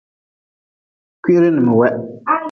Kwiri n miweh.